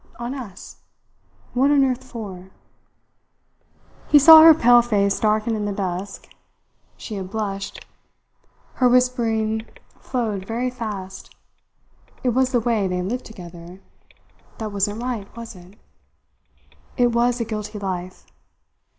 "On us? What on earth for?" He saw her pale face darken in the dusk. She had blushed. Her whispering flowed very fast. It was the way they lived together that wasn't right, was it? It was a guilty life.